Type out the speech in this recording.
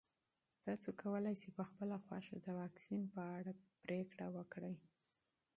تاسو کولی شئ په خپله خوښه د واکسین په اړه پرېکړه وکړئ.